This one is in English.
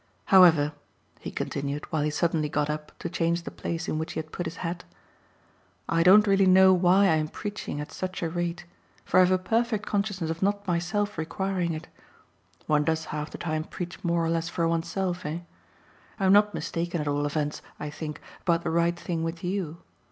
However," he continued while he suddenly got up to change the place in which he had put his hat, "I don't really know why I'm preaching at such a rate, for I've a perfect consciousness of not myself requiring it. One does half the time preach more or less for one's self, eh? I'm not mistaken at all events, I think, about the right thing with YOU.